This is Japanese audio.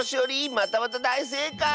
またまただいせいかい！